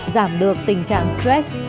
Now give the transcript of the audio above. giảm được tình trạng stress